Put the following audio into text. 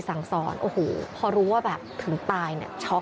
ส่วนของชีวาหาย